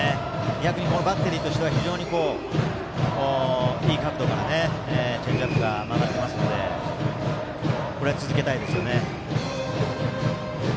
逆にバッテリーとしては非常にいい角度からチェンジアップが曲がっていますのでこれを続けたいですね。